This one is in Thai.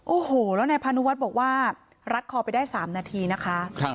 โอ้โหแล้วนายพานุวัฒน์บอกว่ารัดคอไปได้๓นาทีนะคะ